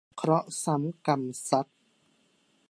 เคราะห์ซ้ำกรรมซัด